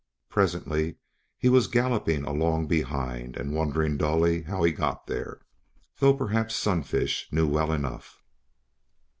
Presently he was galloping along behind and wondering dully how he got there, though perhaps Sunfish knew well enough.